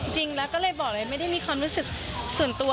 จริงแล้วก็เลยบอกเลยไม่ได้มีความรู้สึกส่วนตัว